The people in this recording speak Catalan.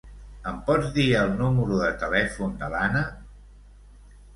Em pots dir el número de telèfon de l'Anna?